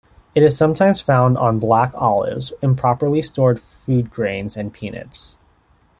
It is sometimes found on black olives, improperly stored food grains and peanuts.